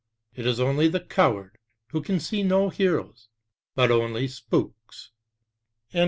It is only the coward who can see no heroes, but only spooks."